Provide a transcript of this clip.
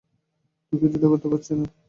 দুঃখিত, এটা করতে পারছি না।